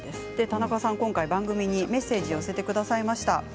田中さんは番組にメッセージを寄せてくださいました。